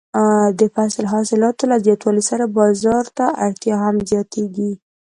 د فصل د حاصلاتو له زیاتوالي سره بازار ته اړتیا هم زیاتیږي.